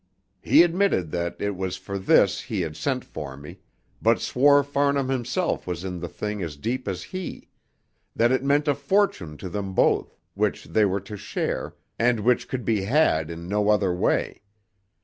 He admitted that it was for this he had sent for me, but swore Farnham himself was in the thing as deep as he; that it meant a fortune to them both, which they were to share, and which could be had in no other way.